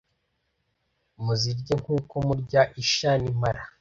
Muzirye nk’uko murya isha n’impala